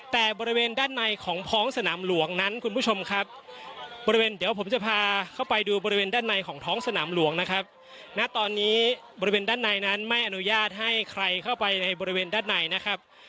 แต่บริเวณด้านในนั้นไม่อนุญาตให้ใครเข้าไปในบริเวณด้านในนะครับ